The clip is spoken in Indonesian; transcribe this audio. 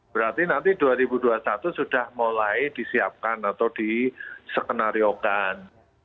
dua ribu dua puluh berarti nanti dua ribu dua puluh satu sudah mulai disiapkan atau diseknariokan